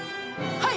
はい！